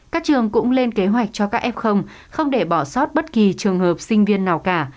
các trường cũng lên kế hoạch cho các f không để bỏ sót bất kỳ trường hợp sinh viên nào cả